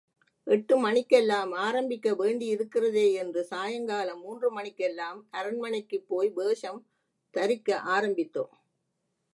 எட்டு மணிக்கெல்லாம் ஆரம்பிக்க வேண்டியிருக்கிறதே யென்று சாயங்காலம் மூன்று மணிக்கெல்லாம் அரண்மனைக்குப் போய் வேஷம் தரிக்க ஆரம்பித்தோம்.